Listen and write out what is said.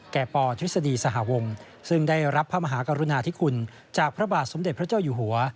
ปธฤษฎีสหวงซึ่งได้รับพระมหากรุณาธิคุณจากพระบาทสมเด็จพระเจ้าอยู่หัว